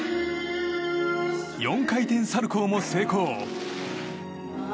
４回転サルコウも成功。